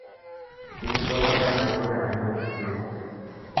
তিনি কলকাতা হাইকোর্টে আইন ব্যবসা শুরু করে।